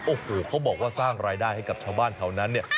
โอ้โหเขาบอกว่าสร้างรายได้ให้กับชาวบ้านแถวนั้นเนี่ย